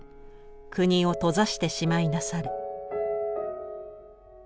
国を閉ざしてしまいなされ」。